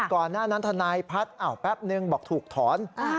ก่อนหน้านั้นทนายพัฒน์แป๊บนึงบอกถูกถอน